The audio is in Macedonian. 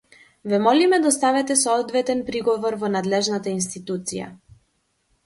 Ве молиме доставете соодветен приговор во надлежната институција.